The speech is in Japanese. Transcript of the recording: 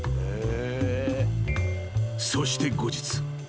［そして後日］